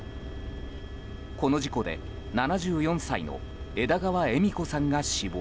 この事故で７４歳の枝川恵美子さんが死亡。